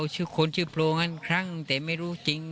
ผมเคยถึงอีกคนชื่อโพรงครั้งแต่ไม่รู้จริง